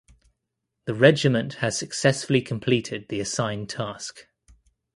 The regiment has successfully completed the assigned task.